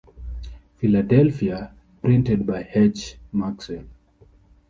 Philadelphia: Printed by H. Maxwell.